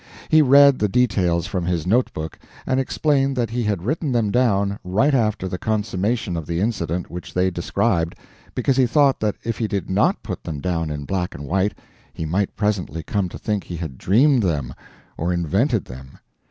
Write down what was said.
He read the details from his note book, and explained that he had written them down, right after the consummation of the incident which they described, because he thought that if he did not put them down in black and white he might presently come to think he had dreamed them or invented them.